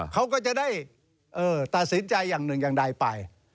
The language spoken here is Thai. เขาก็จะได้ตัดสินใจอย่างหนึ่งอย่างใดไป